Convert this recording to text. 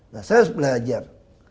saya harus belajar